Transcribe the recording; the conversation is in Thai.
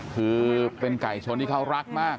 คือเป็นไก่ชนที่เขารักมาก